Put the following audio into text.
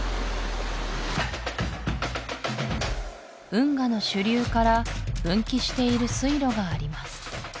運河の主流から分岐している水路があります